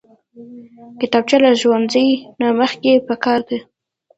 کتابچه له ښوونځي نه مخکې پکار ده